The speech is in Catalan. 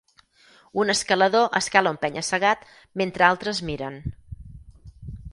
Un escalador escala un penya-segat mentre altres miren.